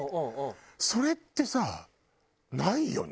それってさないよね？